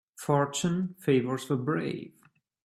Fortune favours the brave.